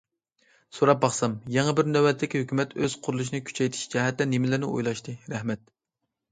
سوراپ باقسام، يېڭى بىر نۆۋەتلىك ھۆكۈمەت ئۆز قۇرۇلۇشىنى كۈچەيتىش جەھەتتە نېمىلەرنى ئويلاشتى؟ رەھمەت!